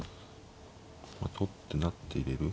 取って成って入れる。